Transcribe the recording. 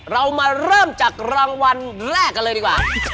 เรามาเริ่มจากรางวัลแรกกันเลยดีกว่า